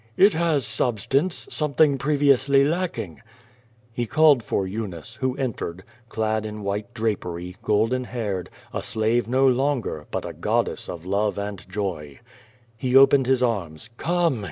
"It has substance; something previously lacking." He called for Eunice, who entered, clad in white drapery, golden haired, a slave no longer, but a goddess of love and joy. He opened his arms. "Come!"